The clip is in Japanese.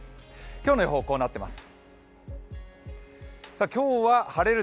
今日の予報、こうなっています。